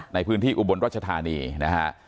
ในพื้นที่อุบลรัชธานีนะฮะ